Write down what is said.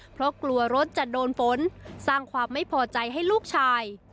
เพราะกลัวรถจะโดนฝนสร้างความไม่พอใจให้ลูกชาย